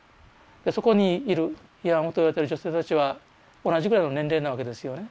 そこにいる慰安婦といわれてる女性たちは同じぐらいの年齢なわけですよね。